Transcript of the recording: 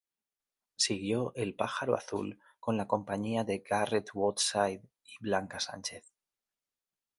Siguió "El pájaro azul" con la compañía de Garret Woodside y Blanca Sánchez.